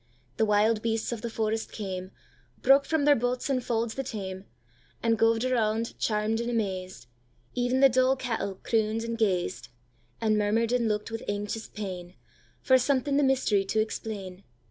The wild beasts of the forest came, Broke from their bughts and faulds the tame, And goved around, charm'd and amazed; Even the dull cattle croon'd and gazed, And murmur'd and look'd with anxious painFor something the mystery to explain.